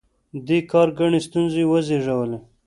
دې کار ګڼې ستونزې وزېږولې.